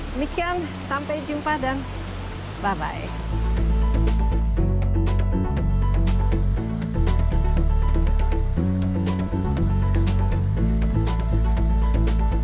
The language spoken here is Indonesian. demikian sampai jumpa dan bye